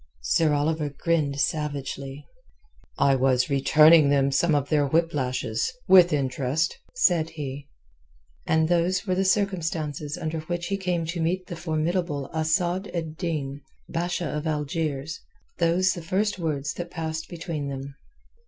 Sir Oliver grinned savagely. "I was returning them some of their whip lashes—with interest," said he. And those were the circumstances under which he came to meet the formidable Asad ed Din, Basha of Algiers, those the first words that passed between them.